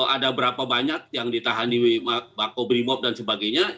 ada berapa banyak yang ditahan di bakobrimob dan sebagainya